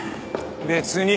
別に。